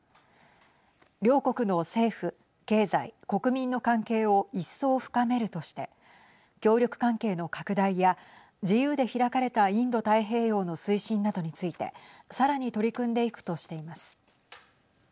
両国の政府、経済、国民の関係を一層深めるとして協力関係の拡大や自由で開かれたインド太平洋の推進などについてさらに取り組んでいくとしています。